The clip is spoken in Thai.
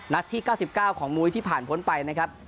ที่๙๙ของมุ้ยที่ผ่านพ้นไปนะครับ